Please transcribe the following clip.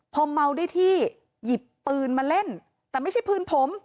พอเมาได้ที่หยิบปืนมาเล่นแต่ไม่ใช่ปืนผม